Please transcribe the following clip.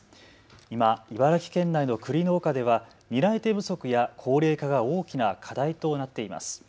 今、茨城県内のくり農家では担い手不足や高齢化が大きな課題となっています。